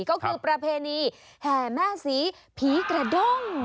ก็คือประเพณีแห่แม่ศรีผีกระด้ง